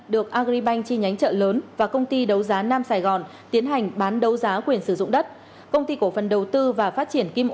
được agribank chi nhánh chợ lớn